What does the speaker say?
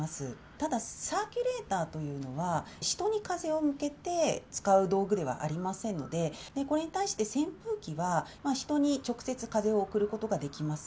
ただ、サーキュレーターというのは、人に風を向けて使う道具ではありませんので、これに対して扇風機は、人に直接風を送ることができます。